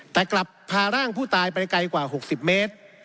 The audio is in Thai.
แต่กลับพาร่างผู้ตายไปไกลกว่า๖๐เมตร